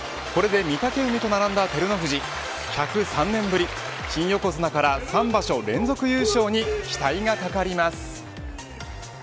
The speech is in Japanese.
これで御嶽海と並んだ照ノ富士１０３年ぶり、新横綱から３場所連続優勝に期待がかかります。